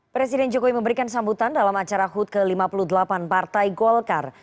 presiden jokowi memberikan sambutan dalam acara hut ke lima puluh delapan partai golkar